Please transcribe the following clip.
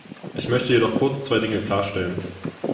Ich möchte jedoch kurz zwei Dinge klarstellen.